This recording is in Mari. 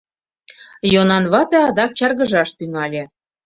— Йонан вате адак чаргыжаш тӱҥале.